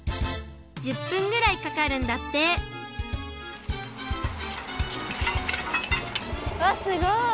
１０分ぐらいかかるんだってわっすごい！